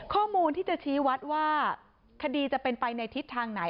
ข้อมูลที่จะชี้วัดว่าคดีจะเป็นไปในทิศทางไหน